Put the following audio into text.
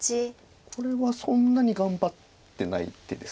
これはそんなに頑張ってない手です。